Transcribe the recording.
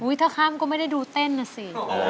ถ้าข้ามก็ไม่ได้ดูเต้นนะสิ